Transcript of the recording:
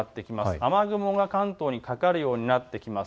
雨雲が関東にかかるようになってきます。